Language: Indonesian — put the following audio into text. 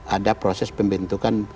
ada proses pembentukan